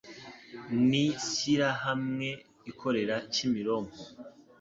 ni sihyirahamwe ikorera Kimironko,